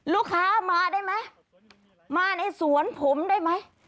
ลูกค้ามาได้ไหมมาในสวนผมได้ไหม